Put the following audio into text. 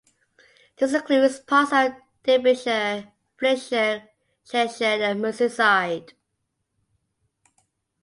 This includes parts of Denbighshire, Flintshire, Cheshire and Merseyside.